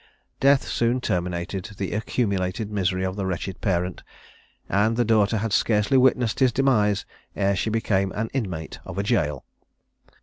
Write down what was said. Death soon terminated the accumulated misery of the wretched parent, and the daughter had scarcely witnessed his demise, ere she became an inmate of a jail.